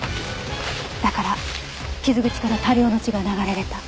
だから傷口から多量の血が流れ出た。